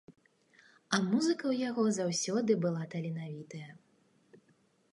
А музыка ў яго заўсёды была таленавітая.